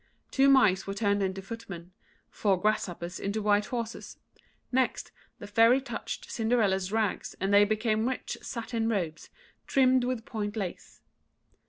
Two mice were turned into footmen; four grasshoppers into white horses. Next, the Fairy touched Cinderella's rags, and they became rich satin robes, trimmed with point lace.